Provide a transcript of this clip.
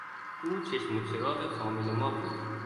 او چشم و چراغ فامیل ما بود.